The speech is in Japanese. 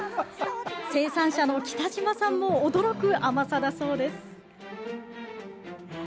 生産者の北嶋さんも驚く甘さだそうです。